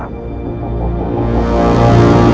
aku harus segera memberitahukan bu sibra